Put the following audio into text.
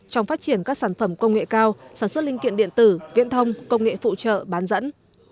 trong phát triển các sản phẩm công nghệ cao sản xuất linh kiện điện tử viễn thông công nghệ phụ trợ bán dẫn